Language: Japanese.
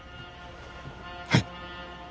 はい。